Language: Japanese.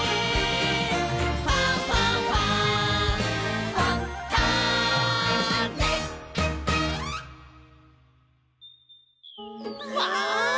「ファンファンファン」わ！